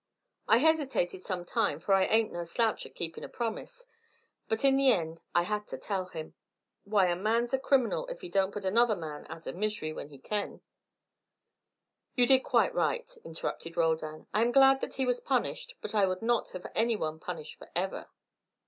I hesitated some time, fur I ain't no slouch at keepin' a promise; but in the end I had to tell him. Why, a man's a criminal if he don't put another man out of misery when he kin " "You did quite right," interrupted Roldan. "I am glad that he was punished, but I would not have any one punished for ever."